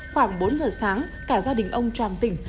khoảng bốn giờ sáng cả gia đình ông tròn tỉnh